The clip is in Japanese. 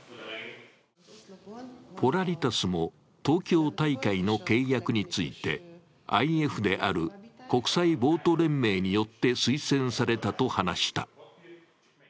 ポラリタスも東京大会の契約についてＩＦである国際ボート連盟によって推薦されたと話した。